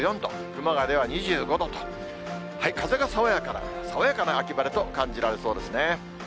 熊谷では２５度と、風が爽やかな、爽やかな秋晴れと感じられそうですね。